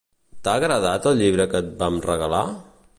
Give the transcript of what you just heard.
T'ha agradat el llibre que et vam regalar?